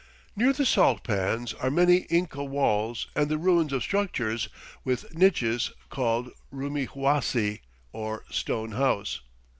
Near the salt pans are many Inca walls and the ruins of structures, with niches, called Rumihuasi, or "Stone House."